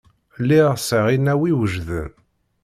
Lliɣ sεiɣ inaw iwejden.